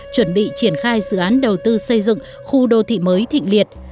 chuẩn bị triển khai dự án đầu tư xây dựng khu đô thị mới thịnh liệt